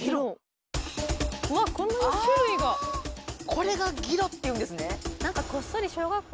これがギロっていうんですね。